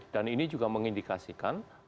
dan ini juga mengindikasikan